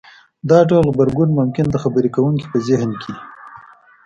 دا ډول غبرګون ممکن د خبرې کوونکي په زهن کې